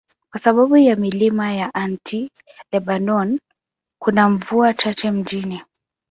Kwa sababu ya milima ya Anti-Lebanon, kuna mvua chache mjini.